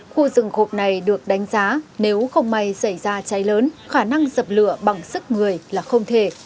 khu rừng khộp này được đánh giá nếu không may xảy ra cháy lớn khả năng dập lửa bằng sức người là không thể